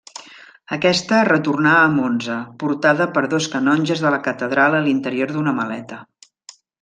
Aquesta retornà a Monza, portada per dos canonges de la catedral a l'interior d'una maleta.